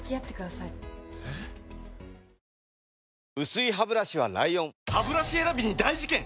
薄いハブラシは ＬＩＯＮハブラシ選びに大事件！